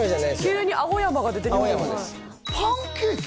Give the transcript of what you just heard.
急に青山が出てきたパンケーキ？